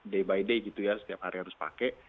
day by day gitu ya setiap hari harus pakai